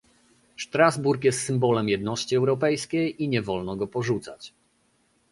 Strasburg jest symbolem jedności europejskiej i nie wolno go porzucać